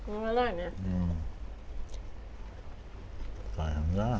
大変だ。